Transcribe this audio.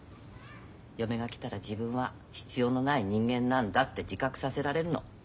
嫁が来たら自分は必要のない人間なんだって自覚させられるの。